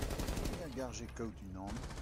Me a garje kaout unan.